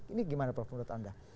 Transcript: ini gimana prof menurut anda